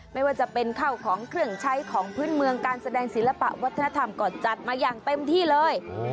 ไม่ว่าจะเป็นข้าวของเครื่องใช้ของพื้นเมืองการแสดงศิลปะวัฒนธรรมก็จัดมาอย่างเต็มที่เลย